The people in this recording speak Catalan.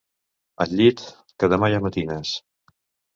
Al llit, que demà hi ha matines.